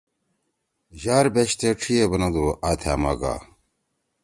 یار بیشتے ڇھی ئے بنَدُو: ”آ تھأما گا۔“